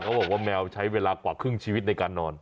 บอกว่าแมวใช้เวลากว่าครึ่งชีวิตในการนอน